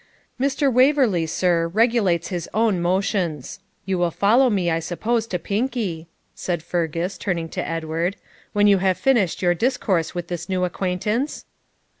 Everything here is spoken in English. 'Mr. Waverley, sir, regulates his own motions. You will follow me, I suppose, to Pinkie,' said Fergus, turning to Edward, 'when you have finished your discourse with this new acquaintance?'